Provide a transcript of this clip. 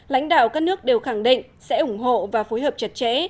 lãnh đạo các nước đều khẳng định sẽ ủng hộ và phối hợp chặt chẽ